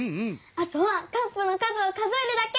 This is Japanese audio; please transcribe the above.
あとはカップの数を数えるだけ！